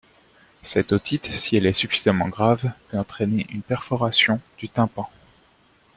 Cette otite, si elle est suffisamment grave, peut entraîner une perforation du tympan.